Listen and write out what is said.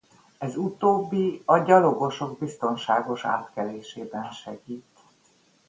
Ez utóbbi a gyalogosok biztonságos átkelésében segít.